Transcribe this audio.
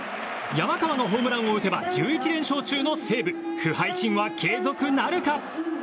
山川のホームランを打てば１１連勝中の西武不敗神話、継続なるか？